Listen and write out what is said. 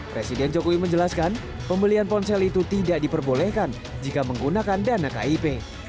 presiden jokowi menjelaskan pembelian ponsel itu tidak diperbolehkan jika menggunakan dana kip